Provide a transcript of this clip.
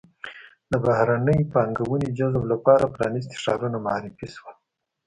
د بهرنۍ پانګونې جذب لپاره پرانیستي ښارونه معرفي شول.